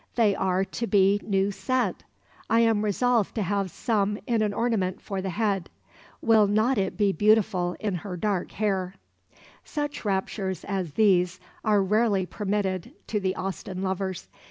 They are to be new set. I am resolved to have some in an ornament for the head. Will not it be beautiful in her dark hair?" Such raptures as these are rarely permitted to the Austen lovers.